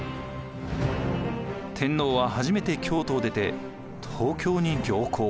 天皇は初めて京都を出て東京に行幸。